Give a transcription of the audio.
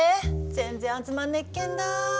全然集まんねっけんだ。